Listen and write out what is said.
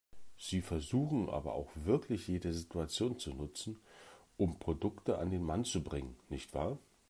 Sie versuchen aber auch wirklich jede Situation zu nutzen, um Produkte an den Mann zu bringen, nicht wahr?